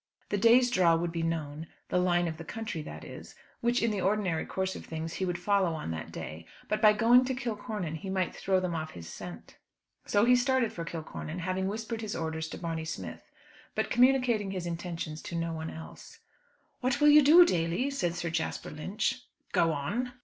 The day's draw would be known the line of the country, that is, which, in the ordinary course of things, he would follow on that day. But by going to Kilcornan he might throw them off his scent. So he started for Kilcornan, having whispered his orders to Barney Smith, but communicating his intentions to no one else. "What will you do, Daly?" said Sir Jasper Lynch. "Go on."